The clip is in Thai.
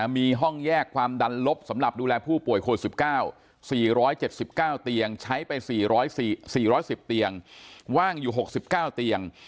มีห้องแยกความดันลบสำหรับดูแลผู้ป่วยโควิด๑๙๔๗๙เตียงใช้ไป๔๑๐เตียงว่างอยู่๖๙เตียง